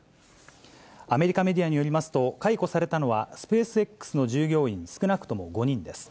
アメリカメディアによりますと、解雇されたのはスペースＸの従業員、少なくとも５人です。